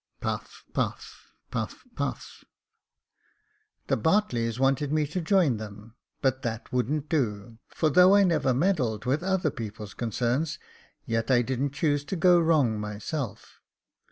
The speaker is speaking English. [Puff, puff, puff, puff.] The Bsrtleys wanted me to join 2,0 8 Jacob Faithful them, but that wouldn't do ; for though I never meddled with other people's concerns, yet I didn't choose to go wrong myself.